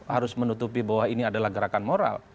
harus menutupi bahwa ini adalah gerakan moral